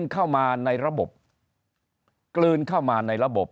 กลืนเข้ามาในระบบ